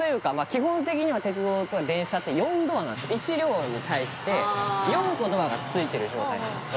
基本的には鉄道ってか電車って４ドアなんです１両に対して４個ドアがついてる状態なんです